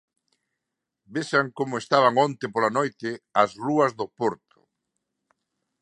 Vexan como estaban onte pola noite as rúas do Porto.